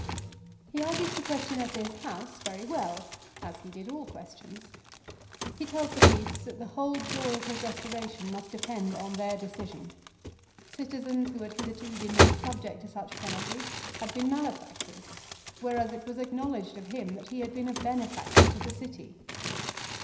He argues the question as to his house very well, as he did all questions. He tells the priests that the whole joy of his restoration must depend on their decision. Citizens who had hitherto been made subject to such penalties had been malefactors ; whereas, it was acknowledged of him that he had been a benefactor to the city.